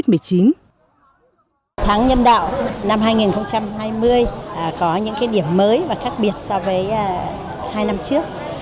tháng nhân đạo năm hai nghìn hai mươi có những điểm mới và khác biệt so với hai năm trước